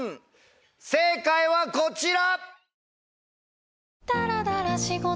正解はこちら。